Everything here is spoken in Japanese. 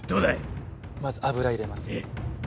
まず油入れます。